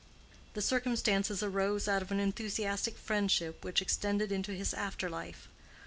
The circumstances arose out of an enthusiastic friendship which extended into his after life.